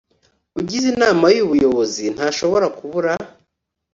ugize inama y ubuyobozi ntashobora kubura